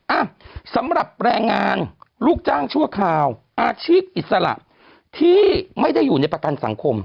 อ่ะสำหรับแรงงานลูกจ้างชั่วคราวอาชีพอิสระที่ไม่ได้อยู่ในประกันสังคม